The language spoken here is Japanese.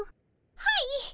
はい。